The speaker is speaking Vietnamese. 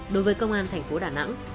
đối với công an thành phố đà nẵng